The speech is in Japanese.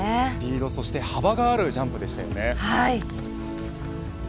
スピード、そして幅があるジャンプでしたよね。